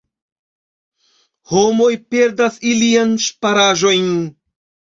Homoj perdas iliajn ŝparaĵojn.